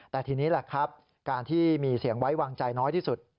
แต่ทีนี้แหละครับการที่มีเสียงไว้วางใจน้อยที่สุด